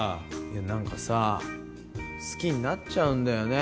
なんかさ好きになっちゃうんだよね。